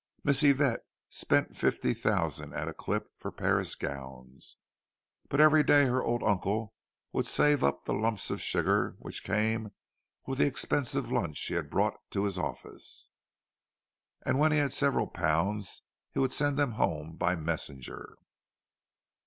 Miss Yvette spent fifty thousand at a clip for Paris gowns; but every day her old uncle would save up the lumps of sugar which came with the expensive lunch he had brought to his office. And when he had several pounds he would send them home by messenger!